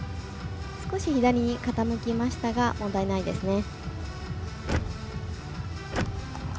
少し左に傾きましたが問題ないですね。